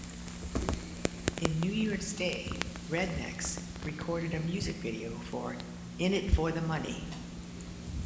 In New Year's Day, Rednex recorded a music video for "Innit for the Money".